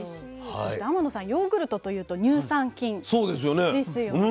そして天野さんヨーグルトというと乳酸菌ですよね。